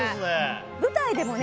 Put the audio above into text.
舞台でもね